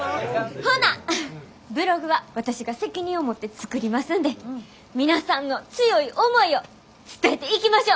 ほなブログは私が責任を持って作りますんで皆さんの強い思いを伝えていきましょう！